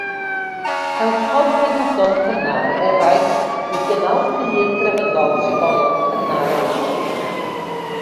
Helpodd cenhadon cynnar eraill i gynnal ffydd grefyddol trigolion cynnar Ewrop.